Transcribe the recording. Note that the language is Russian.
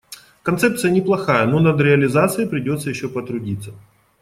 Концепция неплохая, но над реализацией придётся ещё потрудиться.